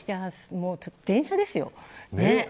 電車ですよ。